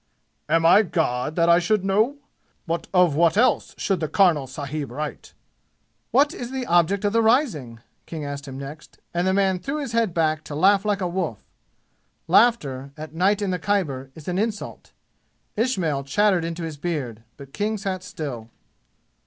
"Am I God, that I should know? But of what else should the karnal sahib write?" "What is the object of the rising?" King asked him next; and the man threw his head back to laugh like a wolf. Laughter, at night in the Khyber, is an insult. Ismail chattered into his beard; but King sat still.